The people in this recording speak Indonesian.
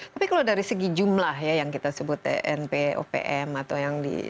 tapi kalau dari segi jumlah ya yang kita sebut np opm atau yang di